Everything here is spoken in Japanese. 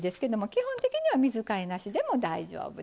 基本的には水替えなしでも大丈夫です。